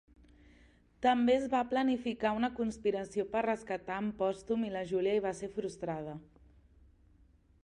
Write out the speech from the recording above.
També es va planificar una conspiració per rescatar en Pòstum i la Júlia i va ser frustrada.